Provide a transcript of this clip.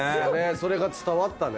それが伝わったね。